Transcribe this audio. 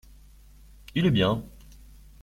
Il est bien.